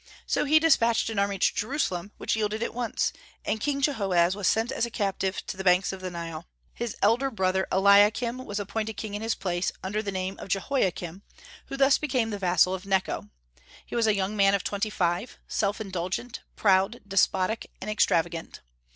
So he despatched an army to Jerusalem, which yielded at once, and King Jehoaz was sent as a captive to the banks of the Nile. His elder brother Eliakim was appointed king in his place, under the name of Jehoiakim, who thus became the vassal of Necho. He was a young man of twenty five, self indulgent, proud, despotic, and extravagant.